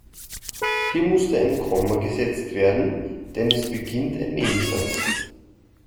Hier musste ein Komma gesetzt werden, denn es beginnt ein Nebensatz.